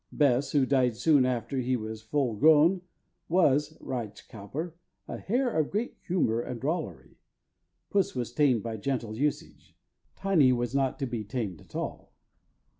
Bess, who died soon after he was full grown, "was," writes Cowper, "a hare of great humor and drollery. Puss was tamed by gentle usage; Tiney was not to be tamed at all."